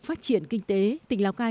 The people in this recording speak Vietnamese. phát triển kinh tế tỉnh lào cai